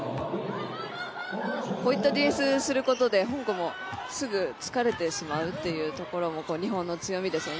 こういったディフェンスをすることで香港もすぐ疲れてしまうというところも日本の強みですね。